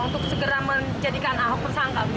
untuk segera menjadikan ahok tersangka